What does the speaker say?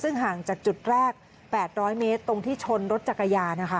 ซึ่งห่างจากจุดแรก๘๐๐เมตรตรงที่ชนรถจักรยานนะคะ